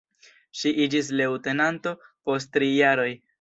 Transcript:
Ŝi iĝis leŭtenanto, post tri jaroj.